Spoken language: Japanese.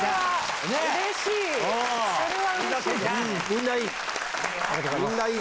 うれしい！